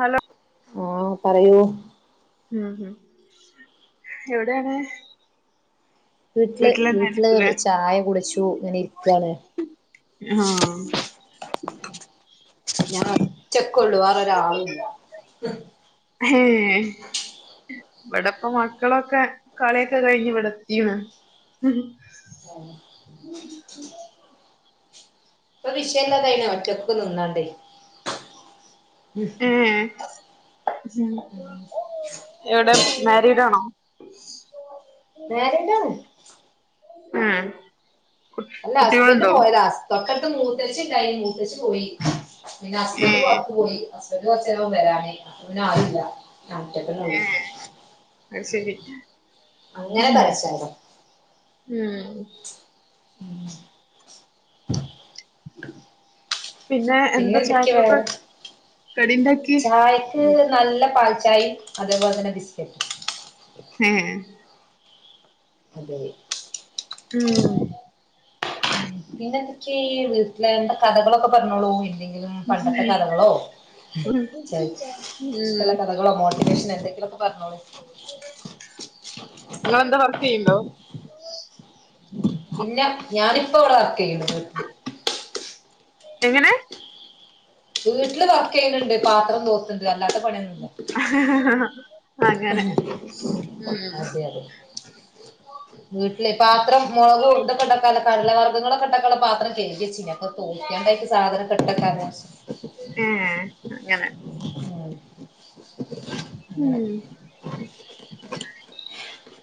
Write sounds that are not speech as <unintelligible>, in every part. Hello ഓഹ് പറയൂ ഉം ഉം എവിടെയാണ് വീട്ടില് വീട്ടില് വീട്ടിലന്നെയായിരിക്കുല്ലേ ചായ കുടിച്ചു ഇങ്ങനെ ഇരിയ്ക്കാണ് ആഹ് ഞാൻ ഒറ്റക്കൊള്ളു വേറൊരാളും ഇല്ല ഹയ്യെ <unintelligible> ഇവിടെയിപ്പം മക്കളൊക്കെ കളിയൊക്കെ കഴിഞ്ഞു ഇവിടെ എത്തീണ് ആഹ് ഇപ്പം വിഷയയൊക്കെ കഴിഞ്ഞോ ഒറ്റക്ക് നിന്നാണ്ടേ ഏഹ് എവിടെ മാരീഡാണോ മാരീഡാണ് ആഹ് അല്ല ഹസ്ബൻഡ് പോയതാ തൊട്ടടുത്ത് മൂത്തച്ചി ഉണ്ടായി മൂത്തച്ചി പോയി പിന്നെ ഹസ്ബൻഡ് ഏഹ് പൊറത്ത് പോയി ഹസ്ബൻഡ് കൊറച്ച് നേരവാ വരാന് അപ്പപിന്നെ ആരുമില്ല ഞാൻ ഒറ്റക്കല്ലേയുള്ളൂ ഏഹ് അത് ശരി ആഹ ഞാൻ ഉം തരച്ചോ <unintelligible> ഉം ഉ <inaudible> പിന്നെ എന്താ എന്തൊക്കെയാ വേ ചായക്കൊക്കെ കടിണ്ടാക്കി <unintelligible> ചായക്ക് ഉം നല്ല പാൽ ചായയും അതേപോലെ തന്നെ ബിസ്ക്കറ്റ് ഉം <unintelligible> അതെ ഉം പിന്നെ എന്തൊക്കെയ ഈ വീട്ടിലെ എന്താ കഥകളൊക്കെ പറഞ്ഞോളു ഇല്ലേ- എന്തേലും പണ്ടത്തെ കഥകളോ ഉം ഇഷ്ടമുള്ള കഥകളോ മോട്ടിവേഷനോ എന്തെക്കിലുംക്കെ പറഞ്ഞോളൂ നിങ്ങള് എന്താ വർക്ക് ചെയ്യണ്ടോ ഇല്ല ഞാൻ ഇപ്പൊ ഇവിടെ വർക്ക്‌ ചെയ്യ്ണു വീട്ടിൽ എങ്ങനെ വീട്ടില് വർക്ക് ചെയ്യുന്നുണ്ട് പാത്രം തോക്ക <unintelligible> ണ്ട് ഇല്ല അല്ലാത്ത പണിയൊന്നുംല്ല അങ്ങനെ ഉം അതെ അതെ വീട്ടില് പാത്രം മുളക് ഇതൊക്കെ ഉണ്ടാക്ക കടല വർഗ്ഗങ്ങളൊക്കെ ഉണ്ടാക്കാനുള്ള പാത്രം - തോണ്ട സാധനം കെട്ടാര <unintelligible> ഏ അങ്ങനെ ഉ ഉം അങ്ങനെ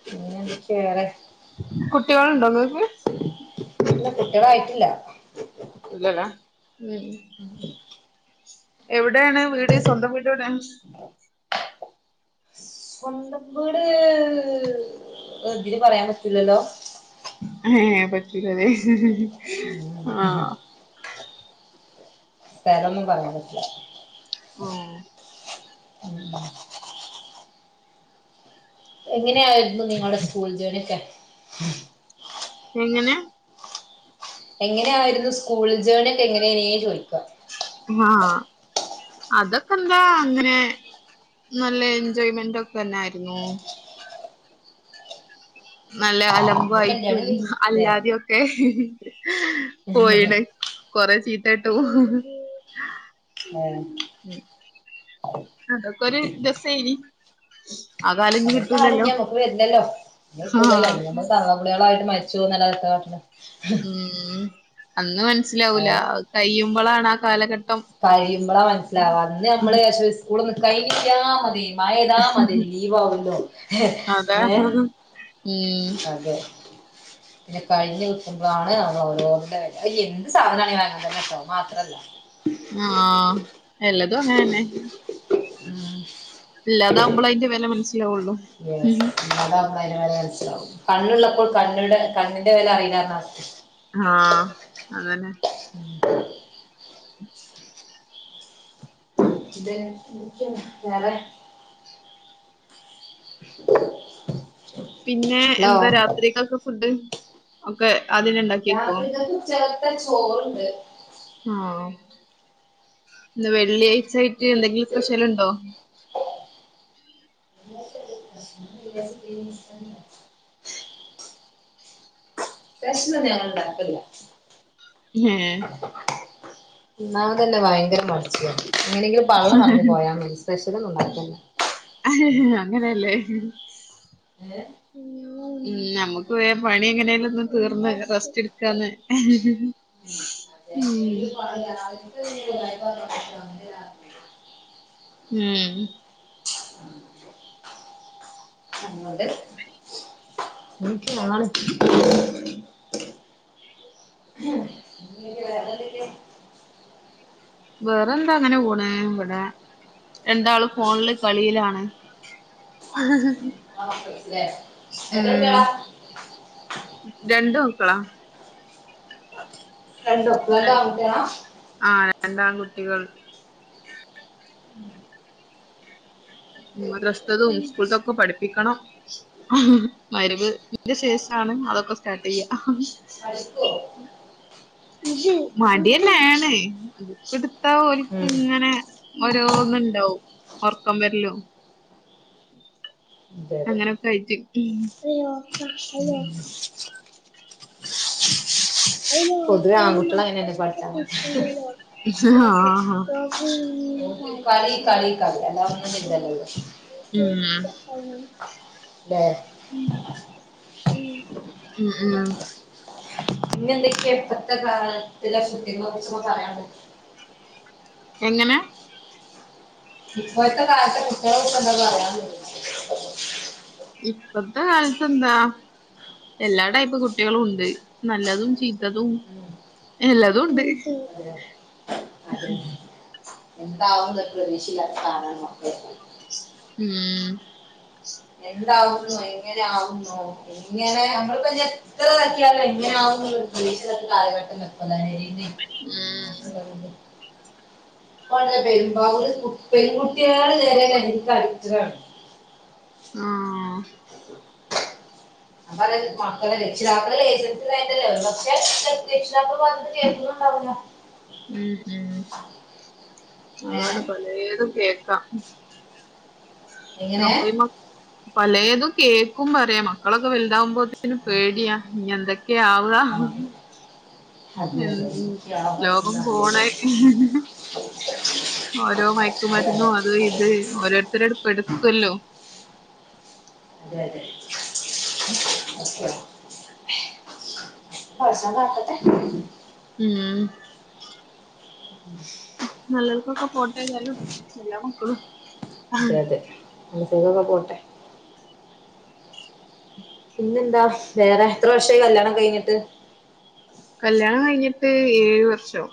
പിന്നെ എന്തൊക്കെയാ വേറെ കുട്ടികളുണ്ടോ നിങ്ങക്ക് ഇല്ല കുട്ടികളായിട്ടില്ല ഇല്ലല്ല ഉം ഉം <inaudible> എവിടെയാണ് വീട് സ്വന്തം വീട് എവിടെയാ സ്വന്തം വീട് അതിന് പറയാൻ പറ്റിത്തില്ലല്ലോ അ പറ്റച്ചി ക <unintelligible> പേരൊന്നും പറയാൻ പറ്റില്ല ഉം ഉ <unintelligible> എങ്ങനെയായിരുന്നു നിങ്ങളുടെ സ്കൂൾ ജേർണി ഒക്കെ എങ്ങനെ എങ്ങനെയായിരുന്നു സ്കൂൾ ജേണി ഒക്കെ എങ്ങനെയനെയെ ചോദിക്കുക ആഹ് അതൊക്കെ ന്താ അങ്ങനെ നല്ല എൻജോയ്മെന്റ് ഒക്കെ തന്നയിരുന്നു നല്ല പിന്നെ കല്യാണം അലമ്പയിട്ടും കഴിഞ്ഞു അല്ലേ അല്ലാതെയൊക്കെ പോയിണ കൊറെ ചീത്തേട്ടു ഉം അതൊക്കൊരു രസായിനി അ കാലം ഇന് നമക്ക് വരില്ലല്ലോ ഇന് കട്ടൂലല്ലോ ആഹ് നമ്മ തള്ളപ്പിടികളായിട്ട് മരിച്ചു പോവുംന്നല്ലാതെ വേറെന്താ ഉം അന്ന് മനസ്സിലാവൂല കയുമ്പോളാണ് ആഹ് കാലഘട്ട കയുമ്പോളാ മനസ്സിലാവാ അന്ന് നമ്മള് ചാരിച്ച് സ്കൂള് ഒന്ന് കഴിഞ്ഞ് കിട്ടിയാ മതി മയതാ മതി ലീവ് ആകല്ലോ അതാ ഏ ഉം പിന്ന കഴിഞ്ഞഞ് വിട്ടുമ്പോാണ് നമ്മൾ ഓരോരുടെ വില എന്ത് സാധനണ അങ്ങനെ തന്നെ ട്ടോ ഇത് മാത്രല്ല ആഹ് എല്ലതും അങ്ങനന്നെ ഉം ഇല്ലതാവകുമ്പോള അതിന്റെ വില മനസ്സിലാവുള്ളു അത അ വ മനസിലാവും കണ്ണുള്ളപ്പോൾ കണ്ണ കണ്ണിന്റെ വില അറിയില്ല ആഹ് അങ്ങനെ ഇത് എ വേറെ പിന്നെ ഹലോ എന്താ രാത്രികക്ക് ഫുഡ് ഒക്കെ അദ്യേന്നെ ഇണ്ടാക്കിവെക്കോ ഇങ്ങൾക്ക് ഉച്ച ഇവ്ടെ ചോറുണ്ട് ആഹ് ഇന്ന് വെള്ളിയാഴ്ചായിട്ട് എന്തെങ്കിലും സ്പെഷ്യൽ ഇണ്ടോ <inaudible> സ്പെഷ്യലൊന്നും ഞങ്ങൾ ഇണ്ടാക്കല്ലില്ല ഏ തിന്നാൻ തന്നെ ഭയങ്കര മടിച്ചിയാ എങ്ങനെങ്കിലും പള്ള നെറഞ്ഞു പോയാ മതി സ്പെഷ്യൽ ഒന്നും ഇണ്ടാക്കില്ല അങ്ങനെല്ലേ ഏ ഉം നമ്മുക്ക് വേം പണി എങ്ങനെലും ഒന്ന് തീർന്ന് റസ്റ്റ്‌ റസ്റ്റ്‌ ഇട്ക്കാന്ന് അതെങ്കിലും <inaudible> <inaudible> ഉം <unintelligible> വീട്ടിൽ ആണ് ഇങ്ങനെയൊക്കെ വേറെ എന്തൊക്കെയാ? വേറെന്താ അങ്ങനെ പോണ് ഇവിടെ രണ്ടാൾ ഫോണില് കളിയിലാണ് ആ മക്കൾസ് ല്ലേ? എത്ര ഉം കുട്ടികളാ? രണ്ടു മക്കളാ രണ്ടും രണ്ടു ആൺ കുട്ട്യാളാ ആഹ് രണ്ട് ആൺ കുട്ടികൾ ഉം മദ്രസ്സ്തതും സ്കൂൾതൊക്കെ പഠിപ്പിക്കണം മഹ്രിബ്ന്റെ ശേഷാണ് അതൊക്കെ സ്റ്റാർട്ട് ചെയ്യാ പഠിക്കോ മടിയന്നെ ആണ് ബുക്ക്‌ എടുത്താ ഓൽക്ക് ഉം ഇങ്ങനെ ഓരോന്ന് ഇണ്ടാവും ഒറക്കം വരലും അതെ അതെ അങ്ങനൊക്കെ ആയിട്ട് പൊതുവെ ആൺകുട്ടികൾ അങ്ങനെയല്ലേ പഠിച്ചാൽ മതി <unintelligible> ആഹ് കളി കളി കളി അല്ലാതൊന്നും ഇല്ലല്ലോ ഉം ഇല്ലേ ഉം ഉം ഇന്ന് എന്തൊക്കെയാ ഇപ്പോഴത്തെ കാലത്തിലെ കുട്ടികളെ കുറിച്ചൊക്കെ പറയാൻ ഇള്ളത് എങ്ങനെ ഇപ്പോഴത്തെ കാലത്തെ കുട്ടികളെ കുറിച്ച് എന്താ പറയാനുള്ളത് ഇപ്പത്തെ കാലത്ത് എന്താ എല്ലാ ടൈപ്പ് കുട്ടികളും ഇണ്ട് നല്ലതും ചീത്തതും ഉം. എല്ലതും ഇണ്ട് അതെ എന്താവൂന്ന് ഒരു പ്രതീക്ഷയും ഇല്ലാത്ത സാധനങ്ങളൊക്കെ ഉം എന്താവുന്നോ എങ്ങനെ ആവൂന്നോ ഇങ്ങനെ ഞമ്മൾ <unintelligible> എത്ര ഇതാക്കിയാലും എങ്ങനെ ആവൂന്നുള്ള പ്രതീക്ഷയുടെ കാലഘട്ടം <unintelligible> ഉം ഇപ്പം കണ്ടോ പെരുമ്പാവൂര് കുട്ടികള് പെൺകുട്ടികള് വരെ ലഹരിക്ക് അഡിക്റ്റഡ് ആണ് ആഹ് <inaudible> മക്കളെ രക്ഷിതാക്കളെ ഏറ്റെടുത്തു കഴിഞ്ഞാൽ ഒരുപക്ഷേ <unintelligible> ഉം ഉം അതാണ് ഏഹ് പലേതും കേക്കാം എങ്ങനെ അപ്പൊ ഇ പലേതും കേക്കും പറയാ മക്കളൊക്കെ വലുതാവുമ്പോ എല്ലാത്തിനും പേടിയാ ഇനി എന്തൊക്കെ ആ വുക അതെ അതെ യാതൊന്നും ലോകം അറിയില്ല. പോണേ <inaudible> ഓരോ മയക്ക് അതെ മരുന്നോ അതെ അത് ഇത് ഓരോരുത്തര് അങ്ങട്ട് പെടുത്തുവല്ലോ അതെ അതെ ഉം <inaudible> പടച്ചോൻ കാക്കട്ടെ ഉം ഉം നല്ലപോൽക്കൊക്കെ പോട്ടെ എല്ലാരും എല്ലാ മക്കളും ആഹ് അതെ <unintelligible> പോട്ടെ പിന്നെന്താ വേറെ എത്ര വർഷായി കല്യാണം കഴിഞ്ഞിട്ട് കല്യാണം കഴിഞ്ഞിട്ട് ഏഴ് വർഷം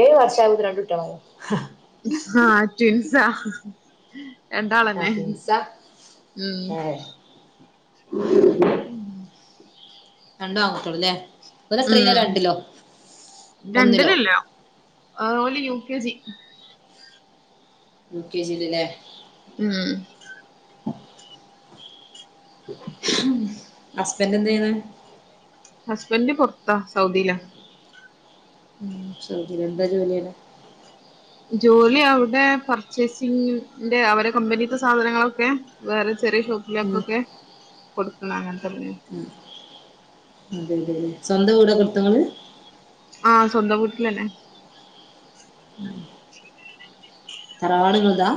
ഏഴ് വർഷാകുമ്പേക്ക് രണ്ടു കുട്ടികളോ ആഹ് ട്വിൻസാ ആ രണ്ടാളന്നെ ട്വിൻസാ ഉം രണ്ട് ആൺമക്കളല്ലേ ഉം ഒന്നിലോ രണ്ടിലല്ല ആ ഓല് U K G U K ജീല്‌ അല്ലേ ഉം ഹസ്ബൻഡ് എന്ത് ചെയ്യണ് ഹസ്ബൻഡ് പൊറത്താ സൗദിയിലാ ഉം സൗദിയിലെന്താ ജോലി ചെയ്യണേ ജോലി അവിടെ പർച്ചേസിംഗിന്റെ അവരുടെ കമ്പനീത്തെ സാധനങ്ങളൊക്കെ വേറെ ചെറിയ ഉം ഷോപ്പിലേക്കൊക്കെ കൊടുക്കുന്ന അങ്ങനതെ ഉം സ്വന്തം വീടൊക്കെടുത്തണോ നിങ്ങളെ ആഹ് സ്വന്തം വീട്ടിലന്നെ ഉം തറവാട് നിങ്ങൾതാ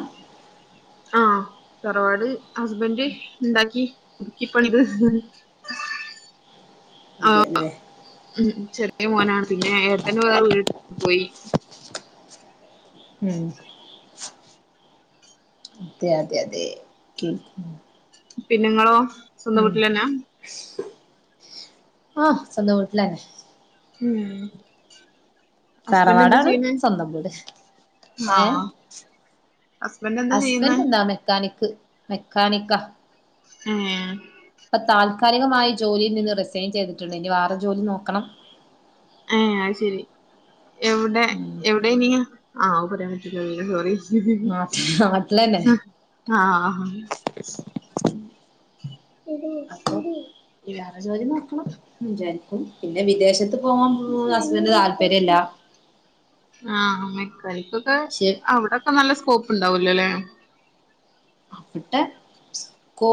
ആഹ് തറവാട് ഹസ്ബന്റ് ഇണ്ടാക്കി പുതുക്കി പണിത് ആഹ് അതെല്ലേ ഉം ചെറിയ മോനാണ് പിന്നെ ഏട്ടൻ വേറെ വീടെടുത്ത് പോയി ഉം അതെ അതെ അതെ കെ പിന്നിങ്ങളോ ളം ആഹ് സ്വന്തം വീട്ടിലന്നെ ഉം ഹസ്ബൻഡ് എന്താ തറവാടാണ് ചെയ്യണേ സ്വന്തം വീട് ആ ഏഹ് ഹസ്ബൻഡ് എന്താ ചെയ്യുന്നേ ഹുസ്ബൻഡ് ന്താ മെക്കാനിക് മെക്കാനിക്ക ഉം ഇപ്പൊ താൽക്കാലികമായി ജോലീ നിന്ന് റിസൈൻ ചെയ്തിട്ടുണ്ട് ഇനി വേറ ജോലി നോക്കണം ഏഹ് അയ് ശെരി എവിടെ ഉം എവിടെയ് നിയ്യ് ആഹ് അത് പറയാൻ പറ്റുല്ലല്ലോ സോറി നാട്ടിൽ നാട്ടിലന്നെ ആഹ് ആഹ് <inaudible> അപ്പൊ <inaudible> വേറെ ജോലി നോക്കണം വിചാരിക്കും പിന്നെ വിദേശത്ത് പോകാൻ അസ്ബന്റിന് താല്പര്യം ഇല്ല ആഹ് മെക്കാനിക്കൊക്കെ പക്ഷെ അവിടെക്കെ നല്ല സ്കോപ്പ് ഉണ്ടാവൂലോല്ലേ അവിടെ <inaudible> <unintelligible> കാ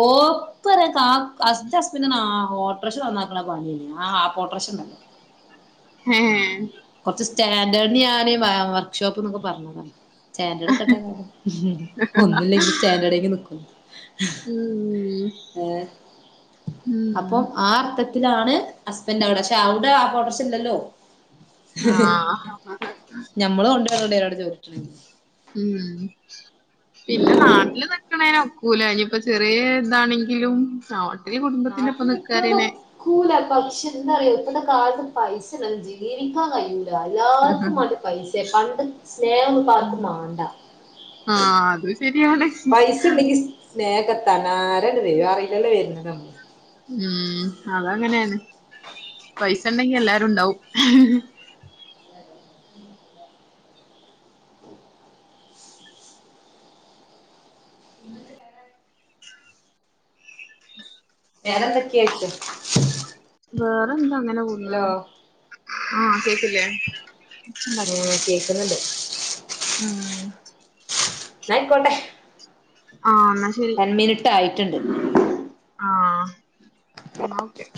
ഹ്സ് ന്റ ഹുസ്ബൻഡ് ആഹ് ഓട്ടോറിഷ നന്നാക്കണ പണിയ ആഹ് ആഹ് ഓട്ടോ റിക്ഷ നന്നാക്കൽ ഏഹ് കുറച്ച് സ്റ്റാൻഡേർഡിന് ഞാൻ വർക്ക്ഷോപ്പ് എന്നൊക്കെ പറഞ്ഞത് സ്റ്റാൻഡ് എടുക്കട്ടെ ഒന്നില്ലെങ്കിൽ സ്റ്റാൻഡേർഡ് എങ്കി നിക്കും ഉം അതെ ഉം അപ്പം ആഹ് അർത്ഥത്തിലാണ് ഹസ്ബൻഡ് അവിടെ പക്ഷെ അവിടെ ആഹ് പ്രോഡക്ക്ഷൻ ഇല്ലല്ലോ ആഹ് ഞമ്മള് കൊണ്ട് വരണ്ട് ഒരാട് ചോദിച്ചി ഉം പിന്നെ നാട്ടില് നിക്കണേനോ നോക്കുല ഇപ്പ ചെറിയ ഇതാണെങ്കിലും നാട്ടില് കുടുംബത്തിന്റെ ഒപ്പം നിക്കാറനെ കൂല പക്ഷെ എന്താ പറയാ ഇപ്പഴത്തെ കാലത്ത് പൈസ ഇല്ലാതെ ജീവിക്കാൻ കഴിയുല്ല എല്ലാർക്കും മതി പൈസ പണ്ട് സ്നേഹം ഇപ്പ ആർക്കും വേണ്ട ആഹ് അത് ശരിയണ് പൈസ ഉണ്ടെങ്കിൽ സ്നേഹത്തനരാണ് വരും അറിയില്ല വരുന്നത് ഉം അതങ്ങനെയാണ് പൈസ ഉണ്ടങ്കിൽ എല്ലാരുണ്ടാവു വേറെന്തൊക്കെയ ആക്കും വേറെ എന്താ അങ്ങനെ പോകുന്ന് ഹലോ ആഹ് കേക്കില്ലേ ആഹ് കേക്കുന്നുണ്ട് ഉം ന്നായിക്കോട്ടെ ആഹ് ശരി ടെൻ മിനിട്ടായിട്ടുണ്ട് ആഹ് ന്നാ ഓക്കെ